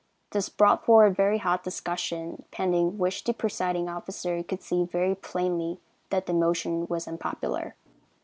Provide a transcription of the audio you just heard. This brought forward very hot discussion, pending which the presiding officer could see very plainly that the motion was unpopular.